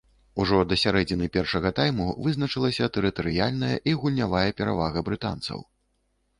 Ужо да сярэдзіны першага тайму вызначылася тэрытарыяльная і гульнявая перавага брытанцаў.